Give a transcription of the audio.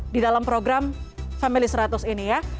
di dalam program family seratus ini ya